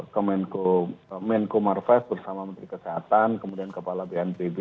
ke menko marfest bersama menteri kesehatan kemudian kepala bnpb